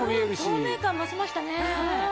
透明感増しましたね。